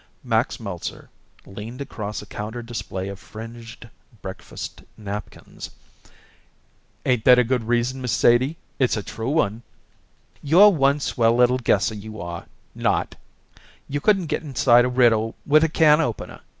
Max Meltzer leaned across a counter display of fringed breakfast napkins. "Ain't that a good reason, Miss Sadie? It's a true one." "You're one swell little guesser, you are not. You couldn't get inside a riddle with a can opener.